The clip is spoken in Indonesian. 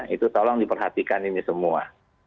itu tolong diperhatikan ini semua